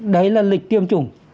đấy là lịch tiêm chủng